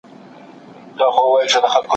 کوچنۍ ګټې ورو ورو په لویه شتمنۍ بدلې شوې.